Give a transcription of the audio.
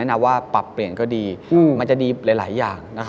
นะว่าปรับเปลี่ยนก็ดีมันจะดีหลายอย่าง